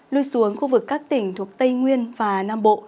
lui xuống khu vực các tỉnh thuộc tây nguyên và nam bộ